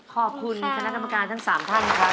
ขอบคุณคณะกรรมการทั้ง๓ท่านนะครับ